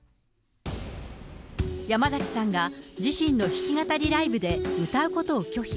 山崎さんが、自身の弾き語りライブで歌うことを拒否。